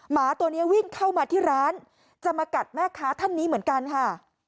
หมาตัวนี้วิ่งเข้ามาที่ร้านจะมากัดแม่ค้าท่านนี้เหมือนกันค่ะ